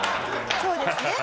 そうですね。